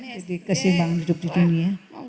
jadi keseimbangan hidup di dunia